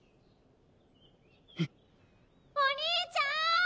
お兄ちゃん！